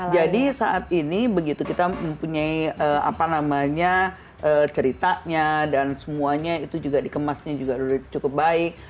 jadi saat ini begitu kita mempunyai apa namanya ceritanya dan semuanya itu juga dikemasnya juga udah cukup baik